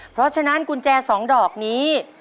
เพราะฉะนั้นกุญแจ๒ดอกนี้